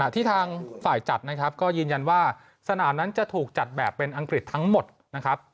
ที่ทางฝ่ายจัดนะครับก็ยืนยันว่าสนามนั้นจะถูกจัดแบบเป็นอังกฤษทั้งหมดนะครับ